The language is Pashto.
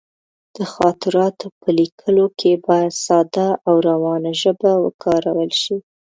د خاطراتو په لیکلو کې باید ساده او روانه ژبه وکارول شي.